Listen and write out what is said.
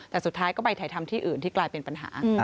แต่สุดท้ายก็ไปถ่ายทำที่อื่นที่กลายเป็นปัญหา